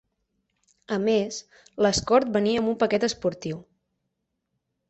A més, l'Escort venia amb un paquet esportiu.